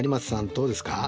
どうですか？